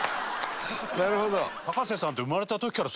なるほど。